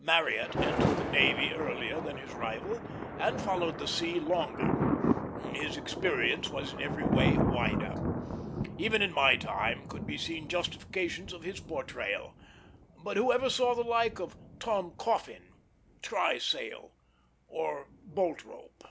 Marryat entered the navy earlier than his rival, and followed the sea longer; his experience was in every way wider. Even in my time could be seen justifications of his portrayal; but who ever saw the like of Tom Coffin, Trysail, or Boltrope?